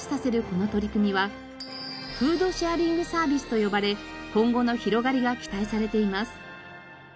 この取り組みはフードシェアリングサービスと呼ばれ今後の広がりが期待されています。